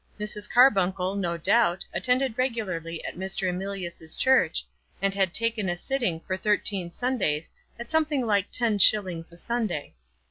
Mrs. Carbuncle, no doubt, attended regularly at Mr. Emilius's church, and had taken a sitting for thirteen Sundays at something like ten shillings a Sunday.